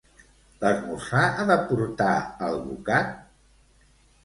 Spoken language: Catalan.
L'esmorzar ha de portar alvocat?